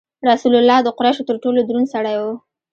رسول الله د قریشو تر ټولو دروند سړی و.